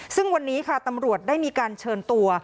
ซึ่งวันนี้ค่ะตำรวจได้มีการเชิญตัว